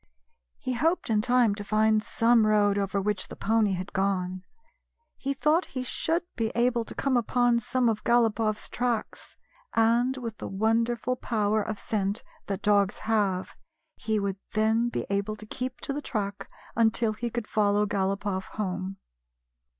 He hoped in time to find some road over which the pony had gone. He thought he should be able to come upon some of GalopofFs tracks, and, with the wonderful power of scent that dogs have, he would then be able to keep to the track until he could follow Galopoff home.